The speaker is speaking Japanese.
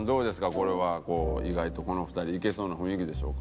これは意外とこの２人いけそうな雰囲気でしょうか？